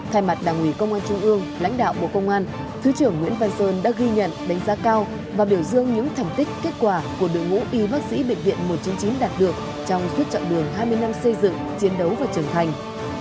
thay mặt đảng ủy công an trung ương lãnh đạo bộ công an thứ trưởng nguyễn văn sơn đã ghi nhận đánh giá cao và biểu dương những thành tích kết quả của đội ngũ y bác sĩ bệnh viện một trăm chín mươi chín đạt được trong suốt chặng đường hai mươi năm xây dựng chiến đấu và trưởng thành